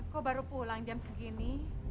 kok baru pulang jam segini